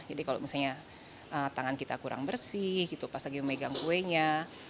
jadi kalau misalnya tangan kita kurang bersih itu pas lagi memegang kuenya